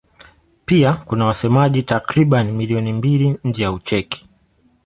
Pia kuna wasemaji takriban milioni mbili nje ya Ucheki.